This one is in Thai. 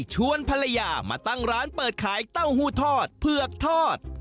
ชวนภรรยามาตั้งร้านเปิดขายเต้าหู้ทอดเผือกทอด